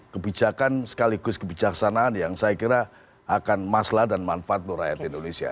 kebijakan sekaligus kebijaksanaan yang saya kira akan maslah dan manfaat untuk rakyat indonesia